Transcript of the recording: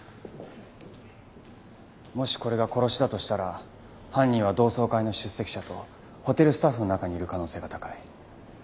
もしこれが殺しだとしたら犯人は同窓会の出席者とホテルスタッフの中にいる可能性が高い。